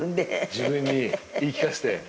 自分に言い聞かせて。